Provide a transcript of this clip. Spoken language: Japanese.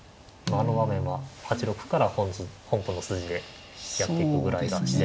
あの場面は８六歩から本譜の筋でやっていくぐらいが自然。